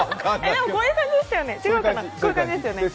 でもこういう感じでしたよね。